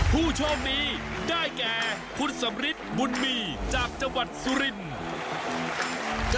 ผู้โชคดีได้แก่คุณสำริทบุญมีจากจังหวัดสุรินทร์